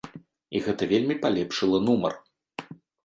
І гэта вельмі палепшыла нумар!